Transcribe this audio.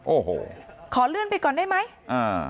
โอ้โหขอเลื่อนไปก่อนได้ไหมอ่า